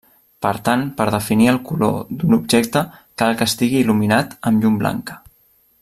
Per tant per definir el color d’un objecte cal que estigui il·luminat amb llum blanca.